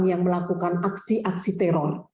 yang melakukan aksi aksi teror